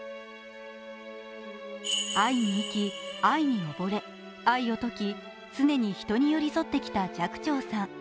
愛に生き、愛におぼれ愛を説き、常に人に寄り添ってきた寂聴さん。